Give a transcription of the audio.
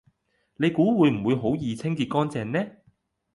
你估會唔會好易清潔乾淨呢